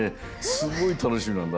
すごいたのしみなんだ。